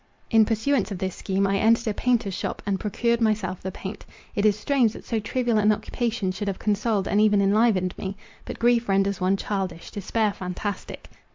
In pursuance of this scheme, I entered a painter's shop, and procured myself the paint. It is strange that so trivial an occupation should have consoled, and even enlivened me. But grief renders one childish, despair fantastic.